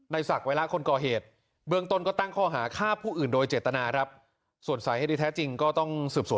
มีพวกเมฆเขาเห็น